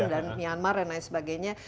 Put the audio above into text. dan myanmar dan lain sebagainya